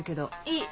いい。